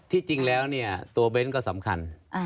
ที่จริงแล้วตัวเบนซ์ก็สำคัญ